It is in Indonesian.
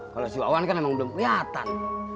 kalau si wawan kan emang belum kelihatan